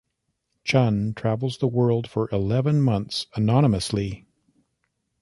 Chun travels the world for eleven months anonymously.